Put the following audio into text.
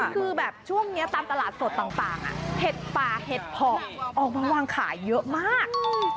คือแบบช่วงนี้ตามตลาดสดต่างเห็ดป่าเห็ดเพาะออกมาวางขายเยอะมาก